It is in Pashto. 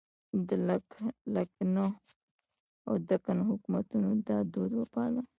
د لکنهو او دکن حکومتونو دا دود وپاله.